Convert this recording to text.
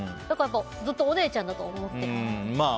ずっとお姉ちゃんだと思ってる。